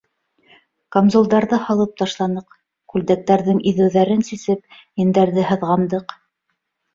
Камзулдарҙы һалып ташланыҡ, күлдәктәрҙең иҙеүҙәрен сисеп, ендәрҙе һыҙғандыҡ.